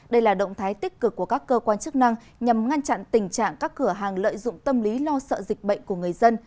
đây là động thái tích cực của các cơ quan chức năng nhằm ngăn chặn tình trạng các cửa hàng lợi dụng tâm lý lo sợ dịch bệnh của người dân